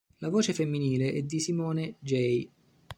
La voce femminile è di Simone Jay.